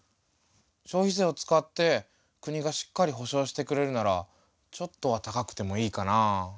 消費税を使って国がしっかり保障してくれるならちょっとは高くてもいいかなあ。